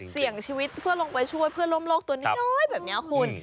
เสี่ยงชีวิตเพื่อลงไปช่วยเพื่อนร่วมโลกตัวน้อยแบบนี้คุณ